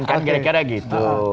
kan kira kira gitu